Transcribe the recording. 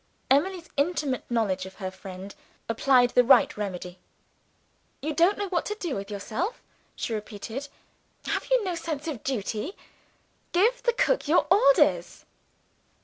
Emily's intimate knowledge of her friend applied the right remedy. "You don't know what to do with yourself?" she repeated. "Have you no sense of duty? Give the cook your orders."